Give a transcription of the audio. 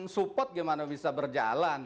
support gimana bisa berjalan